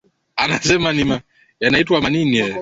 Zanzibar kupitia uchumi wa buluu inatakiwa wauzingatie haswa